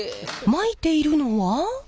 まいているのは。